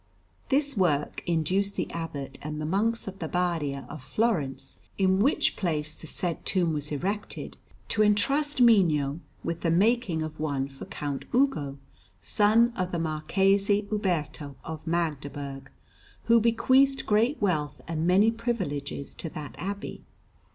This work induced the Abbot and Monks of the Badia of Florence, in which place the said tomb was erected, to entrust Mino with the making of one for Count Ugo, son of the Marquis Uberto of Magdeburg, who bequeathed great wealth and many privileges to that abbey.